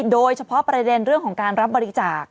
โดยเฉพาะประเด็นเรื่องของการรับบริจาค